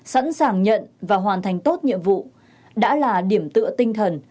sẵn sàng nhận và hoàn thành tốt nhiệm vụ đã là điểm tựa tinh thần